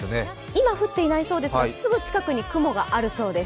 今降っていないそうですがすぐ近くに雲があるそうです。